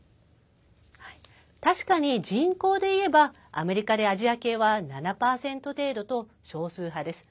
確かに人口でいえばアメリカでアジア系は７％程度と少数派です。